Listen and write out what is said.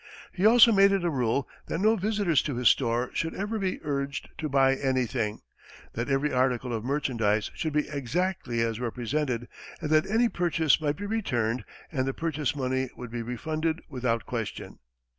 He also made it a rule that no visitor to his store should ever be urged to buy anything; that every article of merchandise should be exactly as represented, and that any purchase might be returned and the purchase money would be refunded without question.